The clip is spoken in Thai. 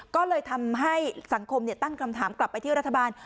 ก็เลยทำให้สังคมตั้งคำถามกลับไปที่รัฐบาล